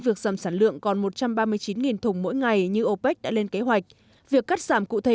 việc giảm sản lượng còn một trăm ba mươi chín thùng mỗi ngày như opec đã lên kế hoạch việc cắt giảm cụ thể